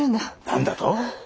何だと？